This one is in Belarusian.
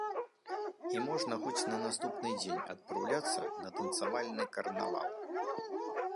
І можна хоць на наступны дзень адпраўляцца на танцавальны карнавал.